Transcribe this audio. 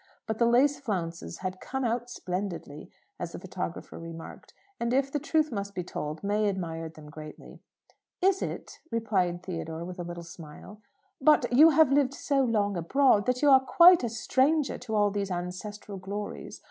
But the lace flounces had "come out splendidly," as the photographer remarked. And, if the truth must be told, May admired them greatly. "Is it?" repeated Theodore, with a little smile. "But you have lived so long abroad, that you are quite a stranger to all these ancestral glories.